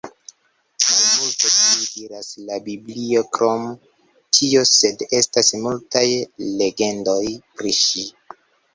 Malmulte pli diras la Biblio krom tio, sed estas multaj legendoj pri ŝi.